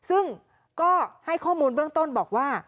ซึ่งก็ให้ข้อมูลเบื้องต้นบอกว่า